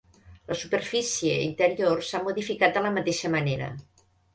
La superfície interior s'ha modificat de la mateixa manera.